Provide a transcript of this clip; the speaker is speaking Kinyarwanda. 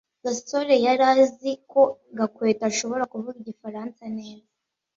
gasore yari azi ko gakwego ashobora kuvuga igifaransa neza